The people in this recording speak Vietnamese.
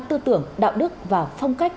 tư tưởng đạo đức và phong cách